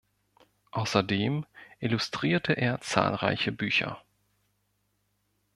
Außerdem illustrierte er zahlreiche Bücher.